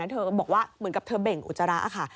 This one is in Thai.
เธอก็บอกว่าเหมือนกับเธอเบ่งอุจจาระค่ะ